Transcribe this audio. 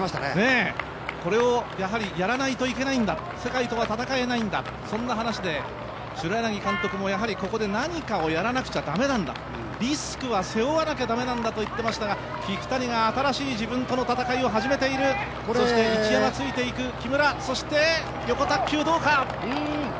これをやらないといけないんだ、世界とは戦えないんだと、そんな話で、監督も、何かをやらなくちゃだめなんだとリスクは背負わなければ駄目なんだと話していましたが、聞谷が新しい自分との戦いを始めている、そして市山ついていく、木村、木村、よこたっきゅう、どうか。